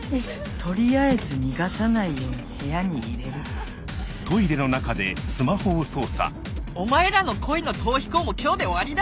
取りあえず逃がさないように部屋に入れるお前らの恋の逃避行も今日で終わりだ！